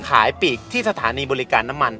ปีกที่สถานีบริการน้ำมัน